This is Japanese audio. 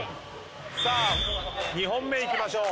さあ２本目いきましょう。